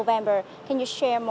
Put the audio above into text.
vào tháng tây